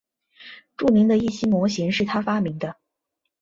著名的易辛模型是他发明的。